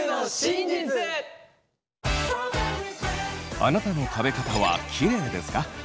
あなたの食べ方はキレイですか？